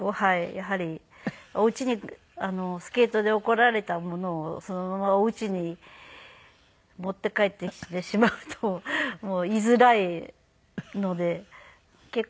やはりお家にスケートで怒られたものをそのままお家に持って帰ってきてしまうといづらいので結構。